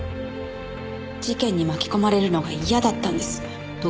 事件に巻き込まれるのが嫌だったんです。